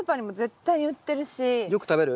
よく食べる？